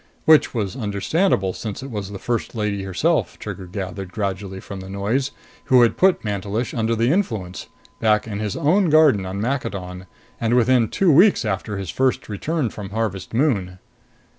Which was understandable, since it was the First Lady herself, Trigger gathered gradually from the noise, who had put Mantelish under the influence, back in his own garden on Maccadon, and within two weeks after his first return from Harvest Moon.